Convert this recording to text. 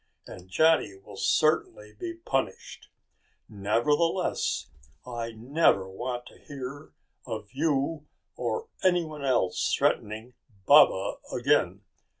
And Johnny will certainly be punished. Nevertheless, I never want to hear of you or anyone else threatening Baba again.